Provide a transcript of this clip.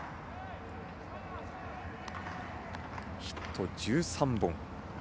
ヒット１３本。